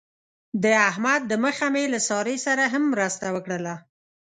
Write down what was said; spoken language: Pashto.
د احمد د مخه مې له سارې سره هم مرسته وکړله.